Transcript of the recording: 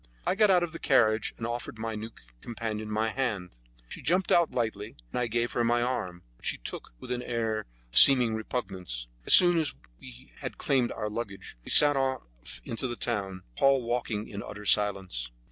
I got out of the carriage, and offered my new companion my hand. She jumped out lightly, and I gave her my arm, which she took with an air of seeming repugnance. As soon as we had claimed our luggage we set off into the town, Paul walking in utter silence.